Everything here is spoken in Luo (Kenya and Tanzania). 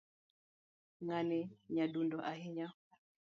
Ngani nyadundo ahinya